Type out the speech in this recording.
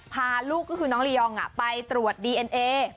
พาลูกก็คือน้องลียองไปตรวจดีเอ็นเอ